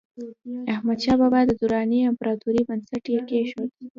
احمدشاه بابا د دراني امپراتورۍ بنسټ یې کېښود.